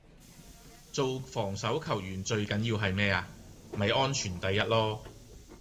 做防守球員最緊要係咩呀?咪安全第一囉